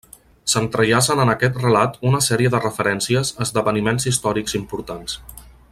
S'entrellacen en aquest relat una sèrie de referències a esdeveniments històrics importants.